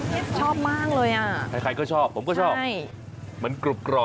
เห็ดชอบมากเลยอ่ะใครก็ชอบผมก็ชอบมันกรุบกรอบเนี่ย